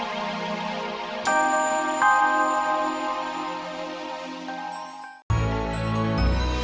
nanti ayamnya malah diambil